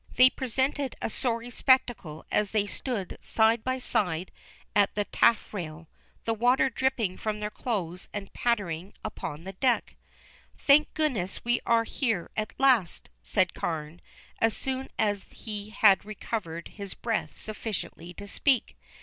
They presented a sorry spectacle as they stood side by side at the taffrail, the water dripping from their clothes and pattering upon the deck. "Thank goodness we are here at last," said Carne, as soon as he had recovered his breath sufficiently to speak.